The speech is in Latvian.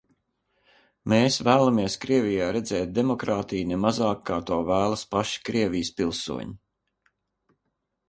Mēs vēlamies Krievijā redzēt demokrātiju ne mazāk, kā to vēlas paši Krievijas pilsoņi.